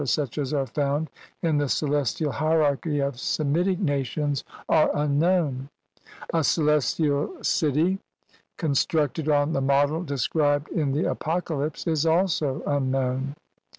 such as are found in the celestial hier archy of Semitic nations are unknown; a celestial city THE ELYS/AN FIELDS OR HEAVEN. CXVIf constructed on the model described in the Apocalypse is also unknown.